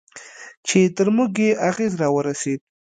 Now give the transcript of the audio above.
چې تر موږ یې اغېز راورسېد.